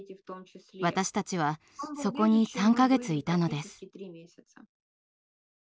私たちはそこに３か月いたのです。